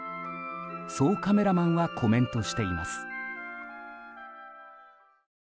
そうカメラマンはコメントしています。